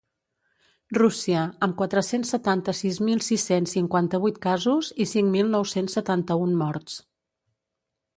Rússia, amb quatre-cents setanta-sis mil sis-cents cinquanta-vuit casos i cinc mil nou-cents setanta-un morts.